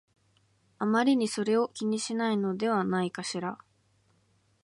あまりそれを気にしないのではないかしら